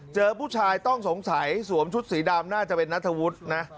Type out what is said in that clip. เจอผู้ชายต้องสงสัยสวมชุดสีดำน่าจะเป็นนัทธวุฒินะ